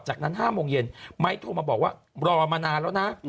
จากนั้น๕โมงเย็นไม้โทรมาบอกว่ารอมานานแล้วนะ